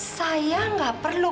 saya gak perlu